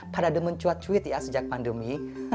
pada demen cuat tweet ya sejak pandemi